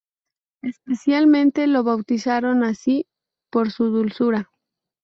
Especialmente lo bautizaron así por su dulzura.